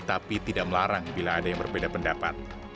tapi tidak melarang bila ada yang berbeda pendapat